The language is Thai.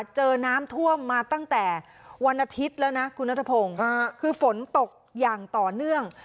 เจอน้ำท่วมมาตั้งแต่วันอาทิตย์แล้วนะคุณนัทพงศ์คือฝนตกอย่างต่อเนื่อง